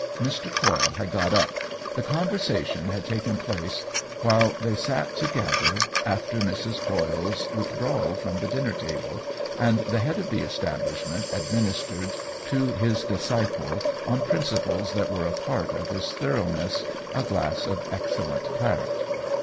Mr. Coyle had got up ; the conversation had taken place while 176 OWEN WINGRAVE they sat together after Mrs. Coyle's with drawal from the dinner table, and the head of the establishment administered to his dis ciple, on principles that were a part of his thoroughness, a glass of excellent claret.